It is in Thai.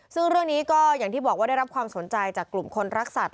ซึ่งเรื่องนี้ก็อย่างที่บอกว่าได้รับความสนใจจากกลุ่มคนรักสัตว